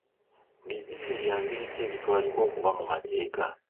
Bizimbe bya ngeri ki ebitwalibwa okuba mu mateeka?